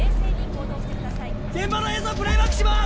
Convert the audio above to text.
現場の映像プレーバックします！